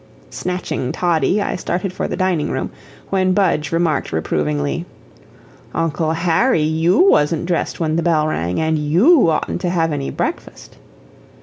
Snatching Toddie, I started for the dining room, when Budge remarked reprovingly: "Uncle Harry, YOU wasn't dressed when the bell rang, and YOU oughtn't to have any breakfast."